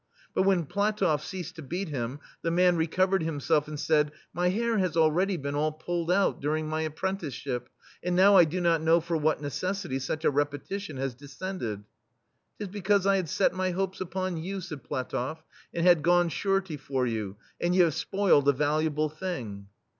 But when PlatofF ceased to beat him, the man recovered him self and said: "My hair has already been all pulled out, during my appren ticeship, and now I do not know for what necessity such a repetition has descended." "*Tis because I had set my hopes upon you,'* said PlatofF, "and had gone surety for you, and you have spoiled a valuable thing.